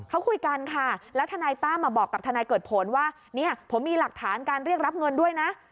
เขาคุยกันค่ะแล้วทนายตั้มบอกกับทนายเกิดผลว่าเนี่ยผมมีหลักฐานการเรียกรับเงินด้วยนะ